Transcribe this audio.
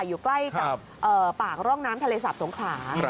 อยู่ใกล้กับปากร่องน้ำทะเลสาบสงขลา